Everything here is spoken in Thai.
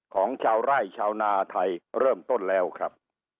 ของชาวไร่ชาวนาไทยเริ่มต้นแล้วครับ